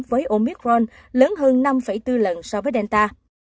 với omicron lớn hơn năm bốn lần so với delta